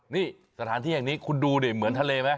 นี่สถานที่แห่งนี้คุณดูดิเหมือนทะเลไหม